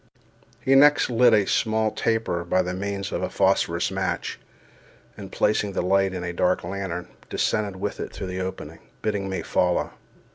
He next lit a small taper by means of a phosphorous match, and, placing the light in a dark lantern, descended with it through the opening, bidding me follow.